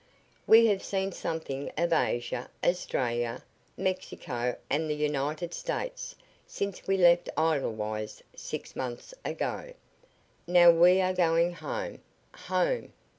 "We have seen something of Asia, Australia, Mexico and the United States since we left Edelweiss, six months ago. Now we are going home home!"